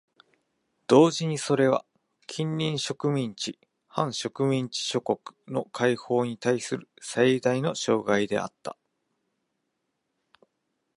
同時にそれは近隣植民地・半植民地諸国の解放にたいする最大の障害であった。